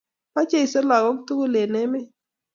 Bo Jesu lagok tugul en emet